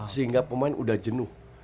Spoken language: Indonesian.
sehingga pemain udah jenuh